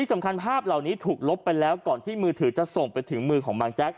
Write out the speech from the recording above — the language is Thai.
สำคัญภาพเหล่านี้ถูกลบไปแล้วก่อนที่มือถือจะส่งไปถึงมือของบางแจ๊ก